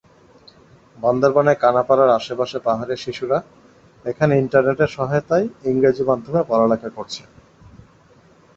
বান্দরবানের কানাপাড়ার আশপাশের পাহাড়ের শিশুরা এখানে ইন্টারনেটের সহায়তায় ইংরেজি মাধ্যমে পড়ালেখা করছে।